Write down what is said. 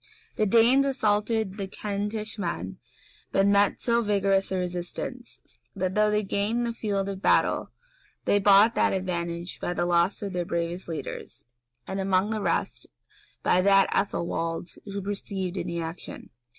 The Danes assaulted the Kentish men, but met with so vigorous a resistance, that, though they gained the field of battle, they bought that advantage by the loss of their bravest leaders, and, among the rest, by that of Ethelwald, who perished in the action.